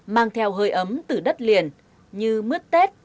mang theo hơi ấm từ đất liền như mứt tết